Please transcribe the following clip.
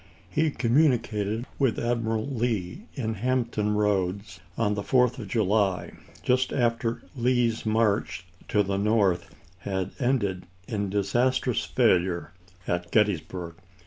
He communicated with Admiral Lee in Hampton Roads on the Fourth of July, just after Lee's march to the North had ended in dis astrous failure at Gettysburg.